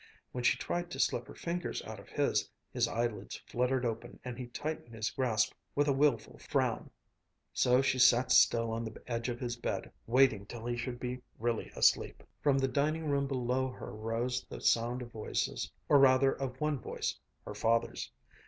When she tried to slip her fingers out of his, his eyelids fluttered open and he tightened his grasp with a wilful frown. So she sat still on the edge of his bed, waiting till he should be really asleep. From the dining room below her rose the sound of voices, or rather of one voice her father's.